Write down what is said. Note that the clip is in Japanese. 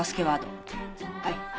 はい。